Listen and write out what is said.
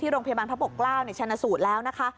ที่โรงพยาบาลพระปกราวในชาญสูตรแล้วนะคะ